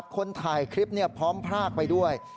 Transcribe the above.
คนถ่ายคลิปพร้อมพรากไปด้วย